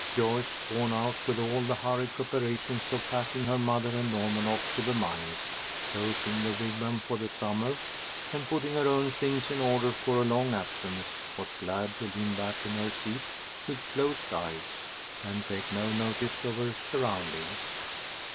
Joyce, worn out with all the hurried preparations of packing her mother and Norman off to the mines, closing the Wigwam for the summer, and putting her own things in order for a long absence, was glad to lean back in her seat with closed eyes, and take no notice of her surroundings.